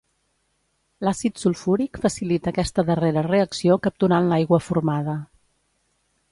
L'àcid sulfúric facilita aquesta darrera reacció capturant l'aigua formada.